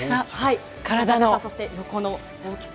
体の大きさ、横の大きさ。